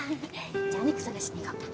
じゃあお肉探しに行こうか。